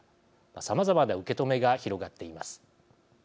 さまざまな受け止めが広がっています。